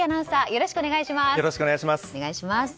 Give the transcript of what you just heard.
よろしくお願いします。